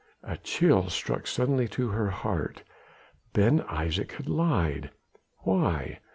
A chill struck suddenly to her heart. Ben Isaje had lied! Why?